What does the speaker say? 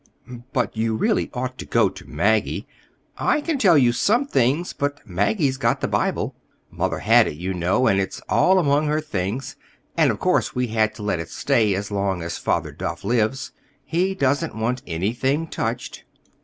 "But you really ought to go to Maggie. I can tell you some things, but Maggie's got the Bible. Mother had it, you know, and it's all among her things. And of course we had to let it stay, as long as Father Duff lives. He doesn't want anything touched.